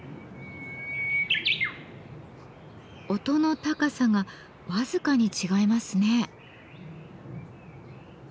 音の高さが僅かに違いますね。